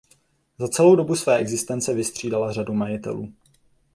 Za celou dobu své existence vystřídala řadu majitelů.